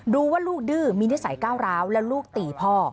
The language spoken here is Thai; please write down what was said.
รู้ว่าลูกดื้อมีนิสัยก้าวร้าวแล้วลูกตีพ่อ